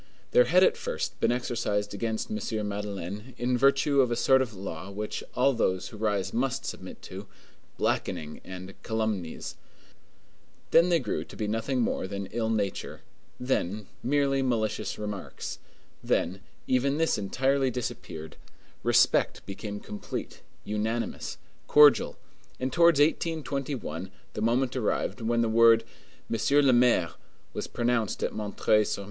There had at first been exercised against M. Madeleine, in virtue of a sort of law which all those who rise must submit to, blackening and calumnies; then they grew to be nothing more than ill nature, then merely malicious remarks, then even this entirely disappeared; respect became complete, unanimous, cordial, and towards 1821 the moment arrived when the word "Monsieur le Maire" was pronounced at M. sur M.